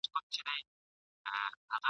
بیا مُلا سو بیا هغه د سیند څپې سوې !.